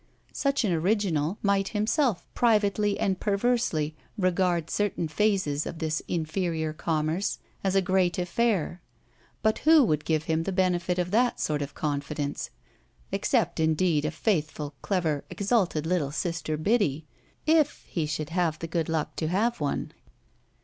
Such an original might himself privately and perversely regard certain phases of this inferior commerce as a great affair; but who would give him the benefit of that sort of confidence except indeed a faithful, clever, exalted little sister Biddy, if he should have the good luck to have one?